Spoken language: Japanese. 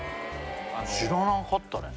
知らなかったね